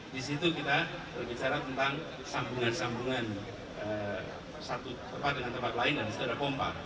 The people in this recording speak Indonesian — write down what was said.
di situ kita berbicara tentang sambungan sambungan satu tempat dengan tempat lain dan disitu ada pompa